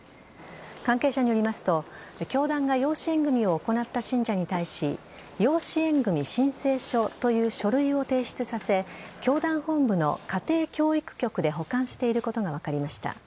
関係者によりますと教団が養子縁組を行った信者に対し養子縁組申請書という書類を提出させ教団本部の家庭教育局で保管していることが分かりました。